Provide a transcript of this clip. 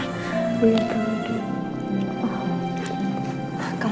wih tunggu dulu